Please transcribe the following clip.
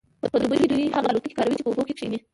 په دوبي کې دوی هغه الوتکې کاروي چې په اوبو کیښني